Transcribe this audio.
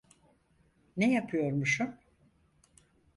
Ne yapıyormuşum?